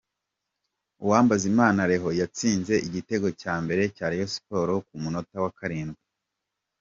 Uwambazimana Leon yatsinze igitego cya mbere cya Rayon Sports ku munota wa karindwi.